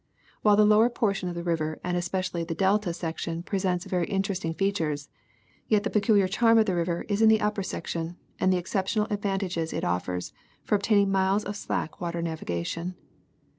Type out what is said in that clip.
While the lower portion of the river and especially the delta section presents vex y interesting featui'es, yet the peculiar charm of the river is in the upper section, and the exceptional advantages it offers for obtaining miles of slack water navigation.